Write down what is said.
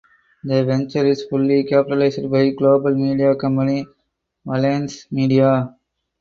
The venture is fully capitalized by global media company Valence Media.